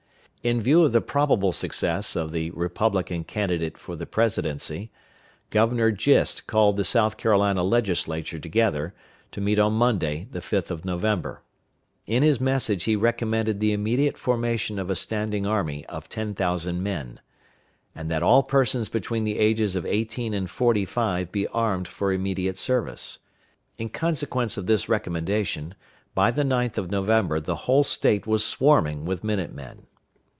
In view of the probable success of the Republican candidate for the presidency, Governor Gist called the South Carolina Legislature together, to meet on Monday, the 5th of November. In his message he recommended the immediate formation of a standing army of ten thousand men; and that all persons between the ages of eighteen and forty five be armed for immediate service. In consequence of this recommendation, by the 9th of November the whole State was swarming with minute men.